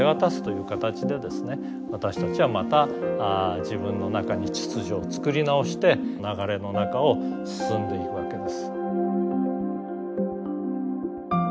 私たちはまた自分の中に秩序をつくり直して流れの中を進んでいくわけです。